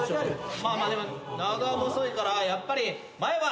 まあまあでも長細いからやっぱり前歯。